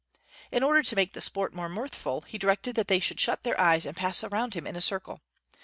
In order to make the sport more mirthful, he directed that they should shut their eyes and pass around him in a circle.